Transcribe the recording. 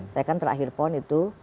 saya kan terakhir pon itu